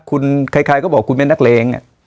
ใครก็บอกว่าคุณเป็นนักเลง